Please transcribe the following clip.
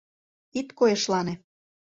Ит койышлане!